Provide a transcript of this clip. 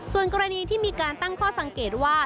ส่วนกรณีที่มีการตั้งข้อสังเกตว่า